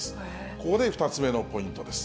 ここで２つ目のポイントです。